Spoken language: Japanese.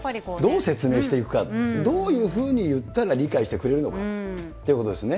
どう説明していくか、どういうふうに言ったら理解してくれるのかっていうことですね。